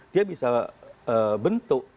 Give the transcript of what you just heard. dia bisa bentuk